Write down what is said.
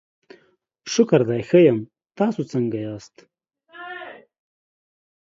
شکر دی، ښه یم، تاسو څنګه یاست؟